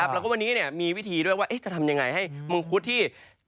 แล้วก็วันนี้มีวิธีด้วยว่าจะทำยังไงให้มังคุดที่